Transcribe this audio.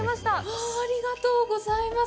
うわぁ、ありがとうございます！